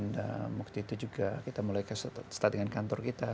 dan waktu itu juga kita mulai setat dengan kantor kita